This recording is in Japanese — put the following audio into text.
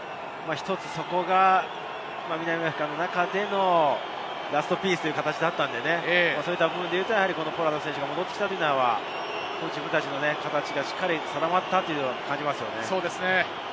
そこが南アフリカの中でのラストピースという形だったので、ポラード選手が戻ってきたというのは、自分たちの形がしっかり定まったと感じます。